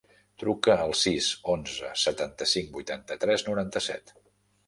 Truca al sis, onze, setanta-cinc, vuitanta-tres, noranta-set.